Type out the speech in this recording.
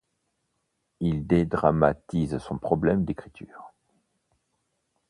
Il dédramatise son problème d’écriture.